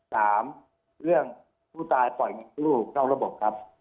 สามเรื่องผู้ตายปล่อยเงินกู้นอกระบบครับ